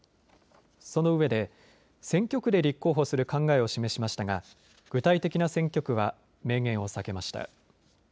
そのうえで選挙区で立候補する考えを示しましたが具体的な選挙区は明言を避けました。